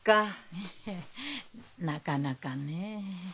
ええなかなかねえ。